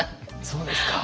そうですか！